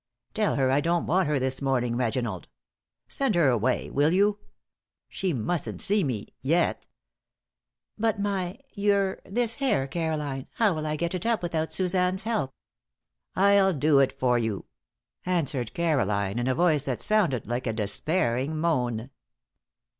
"Tell her I don't want her this morning, Reginald! Send her away, will you? She mustn't see me yet." "But my your this hair, Caroline? How'll I get it up without Suzanne's help?" "I'll do it for you," answered Caroline, in a voice that sounded like a despairing moan.